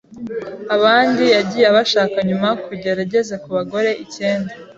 abandi yagiye abashaka nyuma kugera ageze ku bagore icyenda